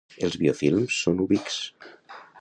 Els biofilms són ubics.